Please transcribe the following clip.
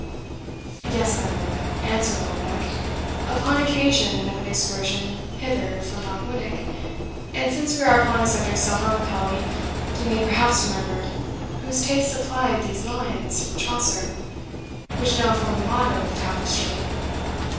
"Yes, my lord," answered Oldbuck, "upon occasion of an excursion hither from Knockwinnock and since we are upon a subject so melancholy, you may perhaps remember whose taste supplied these lines from Chaucer, which now form the motto of the tapestry."